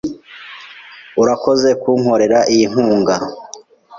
Urakoze kunkorera iyi nkunga.